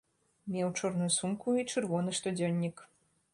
Меў чорную сумку і чырвоны штодзённік.